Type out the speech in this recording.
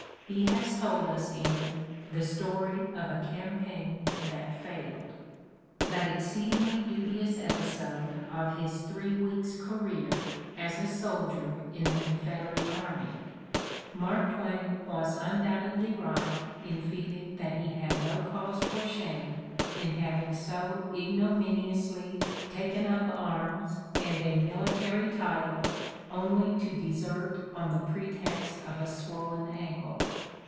He has told us in "The Story of a Campaign That Failed," that ex ceedingly dubious episode of his three weeks' career as a soldier in the Confederate Army. Mark Twain was undoubtedly right in feeling that he had no cause for shame in having so ignominiously taken up arms and a military title only to desert on the pretext of a swollen ankle.